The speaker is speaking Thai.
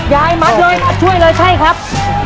ยายมัดเลยมัดช่วยเลยใช่ครับ